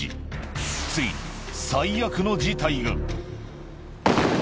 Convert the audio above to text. ついに最悪の事態が。